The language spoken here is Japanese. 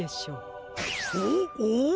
おっおお！